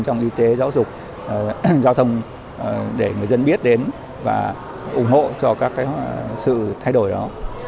trong y tế giáo dục an giao thông để người dân biết đến và ủng hộ cho các sự thay đổi đó